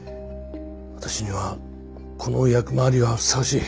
私にはこの役回りがふさわしい。